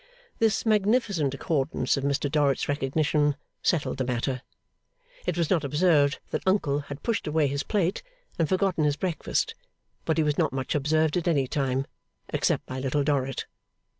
This magnificent accordance of Mr Dorrit's recognition settled the matter. It was not observed that Uncle had pushed away his plate, and forgotten his breakfast; but he was not much observed at any time, except by Little Dorrit.